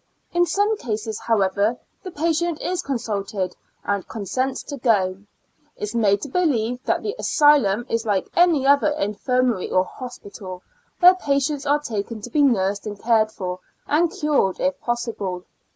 In some cases, however, the patient is consulted, and consents to go ; is made to believe that the asylum is like any other infii mary or hospital, where patients are taken to be nursed and cared for, and cured if possible.